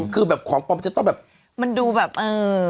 คือแบบของปรัมมันจะต้องแบบมันดูแบบเอิ่ม